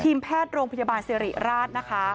ทีมแพทย์โรงพยาบาลสิริราชนะคะ